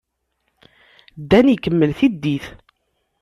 Dan ikemmel tiddit.